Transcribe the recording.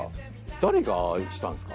誰がああしたんですか？